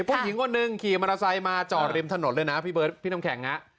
ผู้หญิงคนหนึ่งขี่มอเตอร์ไซค์มาจอดริมถนนเลยนะพี่เบิร์ดพี่น้ำแข็งฮะ